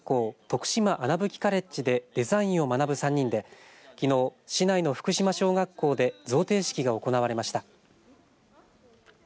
徳島穴吹カレッジでデザインを学ぶ３人できのう市内の福島小学校で贈呈式が行われました。